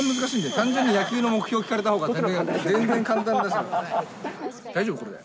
単純に野球の目標、聞かれたほうが全然簡単ですよ。